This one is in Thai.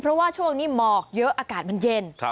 เพราะว่าช่วงนี้หมอกเยอะอากาศมันเย็น